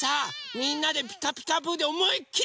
みんなで「ピカピカブ！」でおもいっきり